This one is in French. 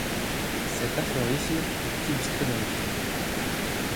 Cet aphorisme est illustré dans ce film.